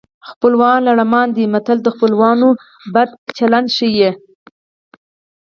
خپلوان لړمان دي متل د خپلوانو بد چلند ښيي